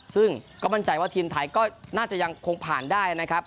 ซึ่งก็มั่นใจว่าทีมไทยก็น่าจะยังคงผ่านได้นะครับ